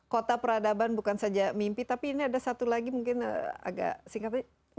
kota peradaban bukan saja mimpi tapi ini ada satu lagi mungkin agak singkatnya